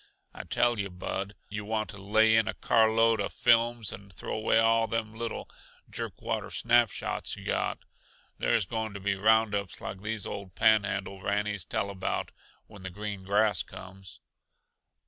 I tell yuh, Bud, yuh want to lay in a car load uh films and throw away all them little, jerk water snap shots yuh got. There's going to be roundups like these old Panhandle rannies tell about, when the green grass comes."